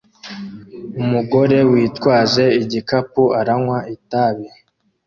Umugore witwaje igikapu aranywa itabi